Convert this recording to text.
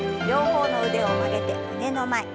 両方の腕を曲げて胸の前。